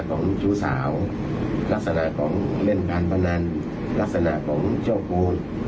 ของชู้สาวลักษณะของเหล่นพันธุ์ปันนั้นลักษณะของเจ้าครู